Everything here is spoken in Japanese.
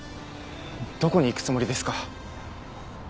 どこに行くつもりですか？